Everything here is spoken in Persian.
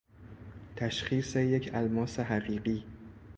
تشخیص یک الماس حقیقی